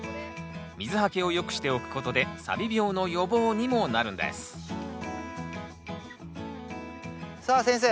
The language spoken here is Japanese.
水はけを良くしておくことでさび病の予防にもなるんですさあ先生。